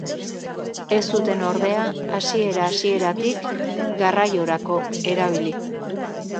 Ez zuten ordea hasiera hasieratik garraiorako erabili.